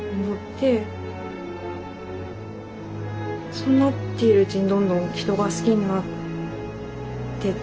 そうなっているうちにどんどん人が好きになってったというか。